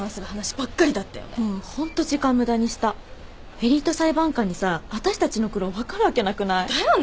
エリート裁判官にさ私たちの苦労分かるわけなくない？だよね。